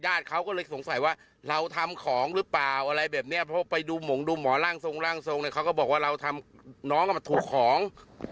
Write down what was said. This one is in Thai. เขาก็เลยสงสัยว่าเราทำของหรือเปล่าอะไรแบบเนี้ยเพราะไปดูหมงดูหมอร่างทรงร่างทรงเนี่ยเขาก็บอกว่าเราทำน้องมันถูกของ